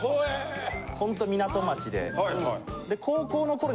ホント港町で。